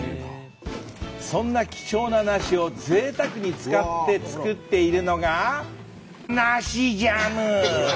そんな貴重な梨をぜいたくに使って作っているのが梨ジャム！